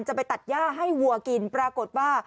จะไปตัดย่าให้วัวกินปรากฏว่า